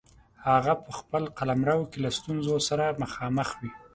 هغه په خپل قلمرو کې له ستونزو سره مخامخ وي.